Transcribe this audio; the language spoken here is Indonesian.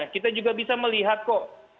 kita juga bisa melihat kok